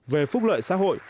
về phúc lợi xã hội